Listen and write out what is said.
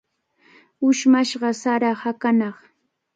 Ushmashqa sara hakanaq.